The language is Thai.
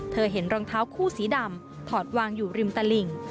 เห็นรองเท้าคู่สีดำถอดวางอยู่ริมตลิ่ง